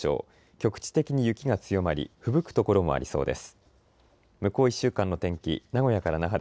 局地的に雪が強まりふぶく所もありそうです。